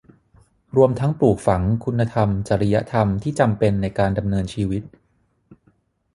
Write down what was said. รวมทั้งปลูกฝังคุณธรรมจริยธรรมที่จำเป็นในการดำเนินชีวิต